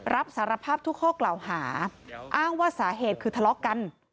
รับสารภาพทุกข้อกล่าวหาอ้างว่าสาเหตุคือทะเลาะกัน